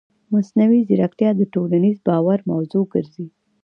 مصنوعي ځیرکتیا د ټولنیز باور موضوع ګرځي.